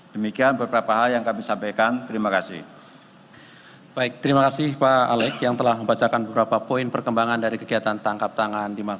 demikian beberapa hal yang kami sampaikan terima kasih